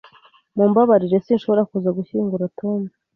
Mumbabarire sinshobora kuza gushyingura Tom.